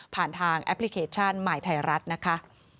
ทางแอปพลิเคชันใหม่ไทยรัฐนะคะ